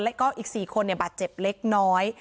แล้วก็อีก๔คนเนี่ยบัตรเจ็บเล็กน้อย